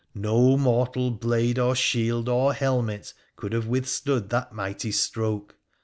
No mortal blade or shield or helmet could have withstood that mighty stroke